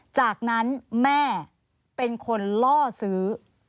จากนั้นแม่เป็นคนล่อซื้อ